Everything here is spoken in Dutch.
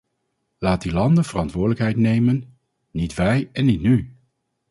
Laat die landen verantwoordelijkheid nemen, niet wij en niet nu.